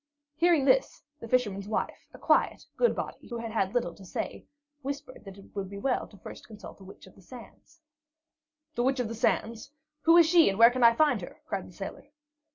Hearing this, the fisherman's wife, a quiet, good body who had had little to say, whispered that it would be well first to consult the Witch of the Sands. "The Witch of the Sands? Who is she and where can I find her?" cried the sailor.